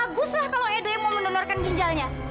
bagus lah kalau edo yang mau mendonorkan ginjalnya